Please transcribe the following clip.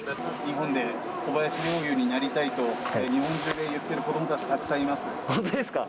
日本で小林陵侑になりたいと日本中で、言っている子どもたち、たくさんいます。